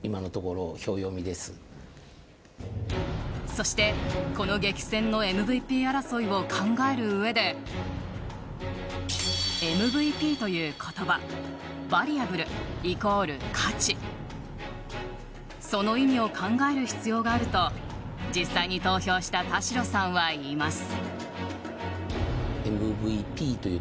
そして、この激戦のＭＶＰ争いを考える上でＭＶＰという言葉Ｖａｌｕａｂｌｅ＝価値その意味を考える必要があると実際に投票した田代さんは言います。